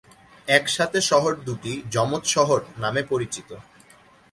একসাথে শহর দুটি "যমজ শহর" নামে পরিচিত।